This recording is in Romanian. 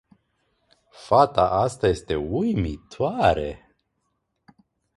Fata asta este uimitoare.